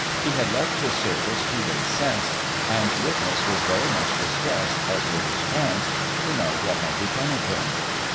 He had left his service two days since, and witness was very much distressed, as were his parents, to know what had become of him.